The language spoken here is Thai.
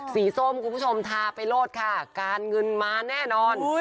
สีส้มทาไปโลศค่ะการเงินมาแน่นอน